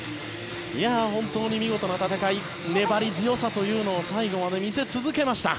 本当に見事な戦い粘り強さというのを最後まで見せ続けました。